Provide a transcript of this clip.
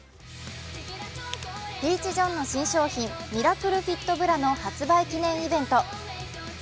ＰＥＡＣＨＪＯＨＮの新商品ミラクルフィットブラの発売記念イベント。